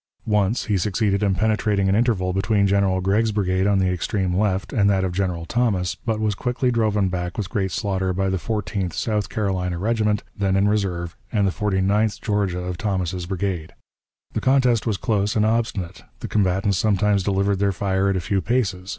Once he succeeded in penetrating an interval between General Gregg's brigade on the extreme left and that of General Thomas, but was quickly driven back with great slaughter by the Fourteenth South Carolina Regiment, then in reserve, and the Forty ninth Georgia of Thomas's brigade. The contest was close and obstinate; the combatants sometimes delivered their fire at a few paces.